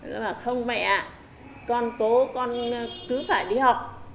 nó bảo không mẹ ạ con cứ phải đi học